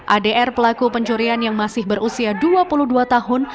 adr pelaku pencurian yang masih berusia dua puluh dua tahun